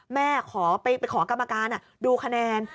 แม่ขอไปขอกรรมการดูคะแนน